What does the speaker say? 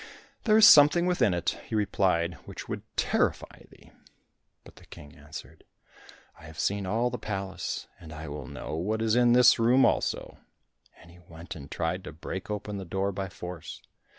"There is something within it," he replied, "which would terrify thee." But the King answered, "I have seen all the palace, and I will know what is in this room also," and he went and tried to break open the door by force.